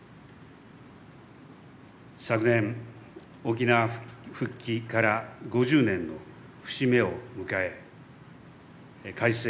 昨年、沖縄復帰から５０年の節目を迎え改正